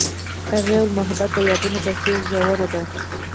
هغې وویل محبت یې د یادونه په څېر ژور دی.